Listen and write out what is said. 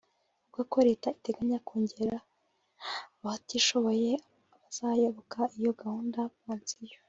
avuga ko leta iteganya kongerera abatishoboye bazayoboka iyo gahunda pansiyo